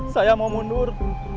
saya mau mundur